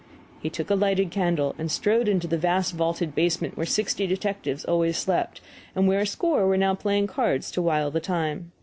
He took a lighted candle and strode down into the vast vaulted basement where sixty detectives always slept, and where a score were now playing cards to while the time.